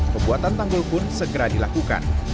pembuatan tanggul pun segera dilakukan